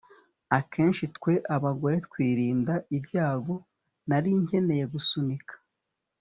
akenshi twe abagore twirinda ibyago. nari nkeneye gusunika